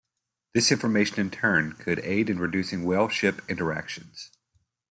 This information in turn could aid in reducing whale-ship interactions.